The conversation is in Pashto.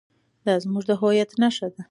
دا زموږ د هویت نښه ده.